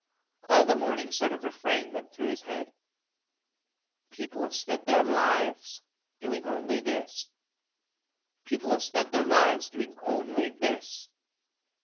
All the morning a sort of refrain went through his head: "People have spent their lives... doing only this. People have spent their lives doing only this."